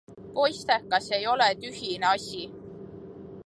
Poistekas ei ole tühine asi!